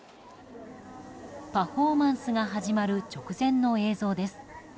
パフォーマンスが始まる直前の映像です。